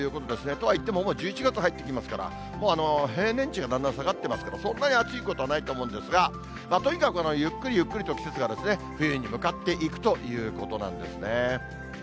とはいっても、もう１１月入ってきますから、もう、平年値がだんだん下がってますから、そんなに暑いことはないと思うんですが、とにかくゆっくりゆっくりと季節が冬に向かっていくということなんですね。